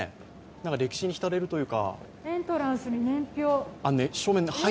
歴史に浸れるというか。